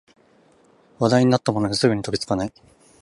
話題になったものにすぐに飛びつかない